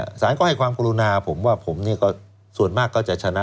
สารก็ให้ความกรุณาผมว่าผมเนี่ยก็ส่วนมากก็จะชนะ